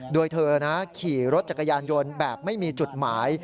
โดยเธอขี่รถจักรยานยนต์แบบไม่มีจุดหมาย